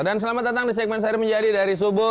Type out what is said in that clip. dan selamat datang di segmen saya menjadi dari subuh